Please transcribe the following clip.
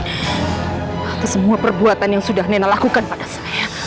itu semua perbuatan yang sudah nena lakukan pada saya